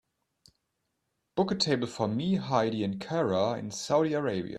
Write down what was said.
book a table for me, heidi and cara in Saudi Arabia